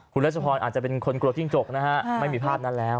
คุณรัชพรอาจจะเป็นคนกลัวจิ้งจกนะฮะไม่มีภาพนั้นแล้ว